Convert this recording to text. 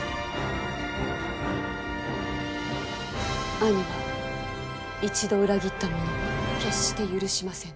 兄は一度裏切った者を決して許しませぬ。